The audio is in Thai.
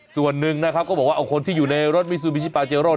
ส่วนหนึ่งนะครับก็บอกว่าเอาคนที่อยู่ในรถมิซูบิชิปาเจโร่